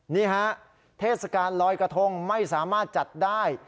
นี่ฮะเทศกาลลอยกระทงไม่สามารถจัดได้